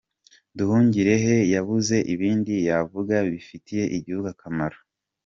Nduhungirehe yabuze ibindi yavuga bifitiye igihugu akamaro?.